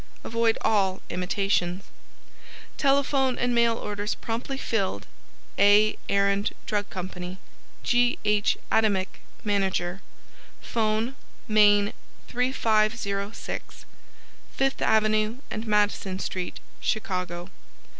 Avoid all imitations. TELEPHONE AND MAIL ORDERS PROMPTLY FILLED A. AREND DRUG CO. G. H. ADAMICK, Manager Phone, Main 3506 Fifth Ave. and Madison St., Chicago.